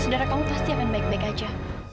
saudara kamu pasti akan baik baik aja